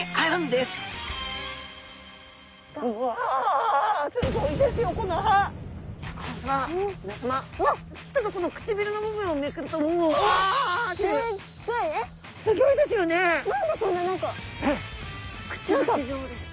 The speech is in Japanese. すギョいですよね。